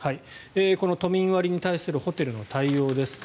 この都民割に対するホテルの対応です。